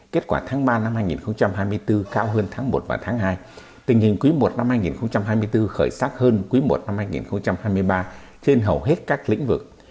kết quả tháng ba năm hai nghìn hai mươi bốn cao hơn tháng một và tháng hai tình hình quý i năm hai nghìn hai mươi bốn khởi sắc hơn quý i năm hai nghìn hai mươi ba trên hầu hết các lĩnh vực